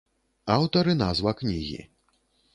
Аўтар і назва кнігі.